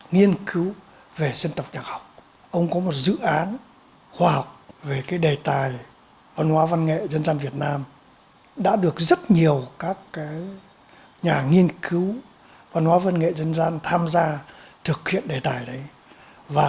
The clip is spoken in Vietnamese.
giáo sư tô ngọc thanh tổng thư ký hội văn nghệ dân gian việt nam đã cho ra đời nhiều công trình nghiên cứu có giá trị cho nước nhà